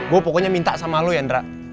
gua pokoknya minta sama lu yandra